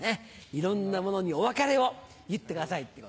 いろんなものにお別れを言ってください。